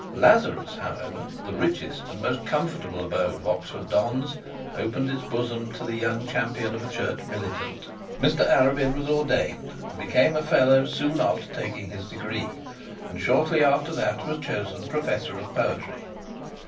Lazarus, however, the richest and the most comfortable abode of Oxford dons, opened its bosom to the young champion of a church militant. Mr Arabin was ordained, and became a fellow soon after taking his degree, and shortly after that was chosen professor of poetry.